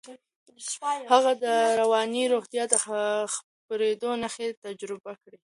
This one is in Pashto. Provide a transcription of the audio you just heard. هغې د رواني روغتیا د خرابېدو نښې تجربه کړې.